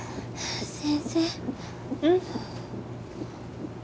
先生うん？